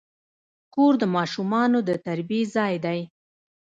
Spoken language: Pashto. کور د ماشومانو د تربیې ځای دی.